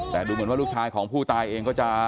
แต่ดูเหมือนว่าลูกชายของผู้ตายเองก็จะ